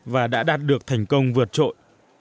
và đã đạt được thành công vượt trội